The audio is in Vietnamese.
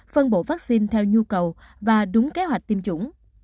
phân bổ phát sinh theo nhu cầu và đúng kế hoạch tiêm chủng